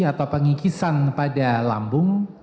atau pengikisan pada lambung